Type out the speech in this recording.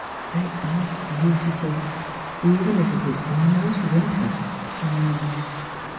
" They are beautiful, even if it is al most winter," she murmured.